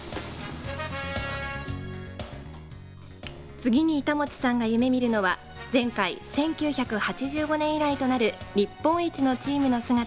次に板持さんが夢見るのは前回１９８５年以来となる日本一のチームの姿。